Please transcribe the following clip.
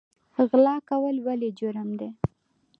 غلا کول ولې جرم دی؟